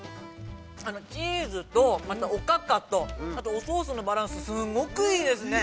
◆チーズとおかかとおソースのバランス、すごくいいですね。